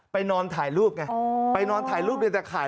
นอนถ่ายรูปไงไปนอนถ่ายรูปในตะข่าย